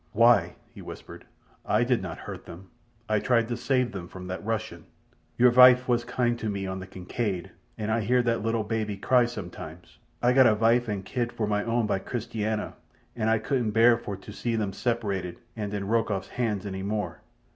"Why," he whispered, "Ay did not hurt them. Ay tried to save them from that Russian. Your vife was kind to me on the Kincaid, and Ay hear that little baby cry sometimes. Ay got a vife an' kid for my own by Christiania an' Ay couldn't bear for to see them separated an' in Rokoff's hands any more.